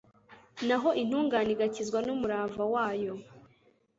naho intungane igakizwa n’umurava wayo